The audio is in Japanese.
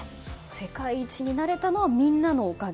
世界一になれたのはみんなのおかげ。